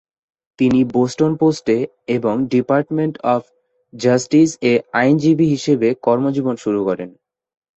তিনি "বোস্টন পোস্টে" এবং ডিপার্টমেন্ট অফ জাস্টিস এ আইনজীবী হিসেবে কর্মজীবন শুরু করেন।